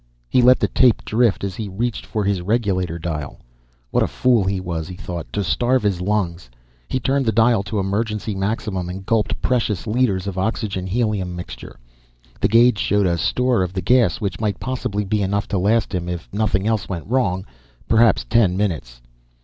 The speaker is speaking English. He let the tape drift as he reached for his regulator dial. What a fool he was, he thought, to starve his lungs. He turned the dial to emergency maximum and gulped precious liters of oxygen helium mixture. The gauge showed a store of the gas which might possibly be enough to last him, if nothing else went wrong; perhaps ten minutes.